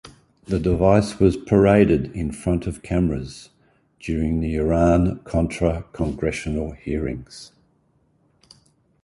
The device was paraded in front of cameras during the Iran-Contra congressional hearings.